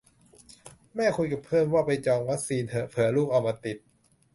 แม่คุยกับเพื่อนว่าไปจองวัคซีนเหอะ เผื่อลูกเอามาติด